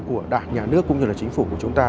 của đảng nhà nước cũng như là chính phủ của chúng ta